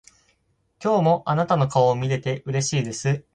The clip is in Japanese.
今日もあなたの顔を見れてうれしいです。